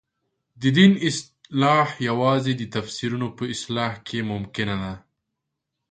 د دین اصلاح یوازې د تفسیرونو په اصلاح کې ممکنه ده.